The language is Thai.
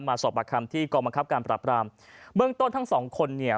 สอบประคำที่กองบังคับการปราบรามเบื้องต้นทั้งสองคนเนี่ย